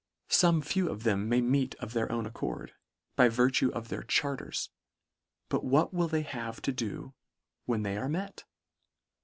Some few of them may meet of their own accord, by virtue of their charters : But what will they have to do when they are met